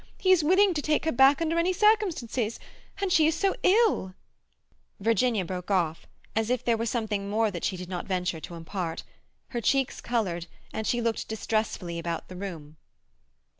He is willing to take her back under any circumstances. And she is so ill—" Virginia broke off, as if there were something more that she did not venture to impart. Her cheeks coloured, and she looked distressfully about the room.